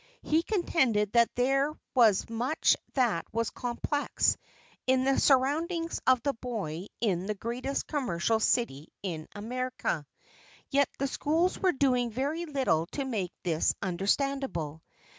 He contended that there was much that was complex in the surroundings of the boy in the greatest commercial city in America, yet the schools were doing very little to make this understandable.